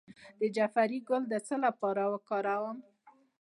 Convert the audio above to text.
د جعفری ګل د څه لپاره وکاروم؟